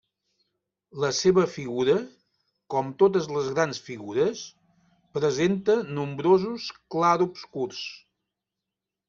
La seva figura, com totes les grans figures, presenta nombrosos clarobscurs.